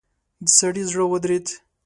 د سړي زړه ودرېد.